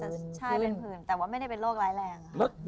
ใช่เป็นผื่นแต่ว่าไม่ได้เป็นโรคร้ายแรง